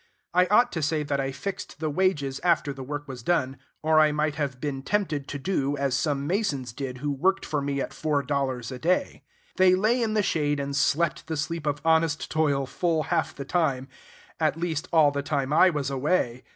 I ought to say that I fixed the wages after the work was done, or I might have been tempted to do as some masons did who worked for me at four dollars a day. They lay in the shade and slept the sleep of honest toil full half the time, at least all the time I was away.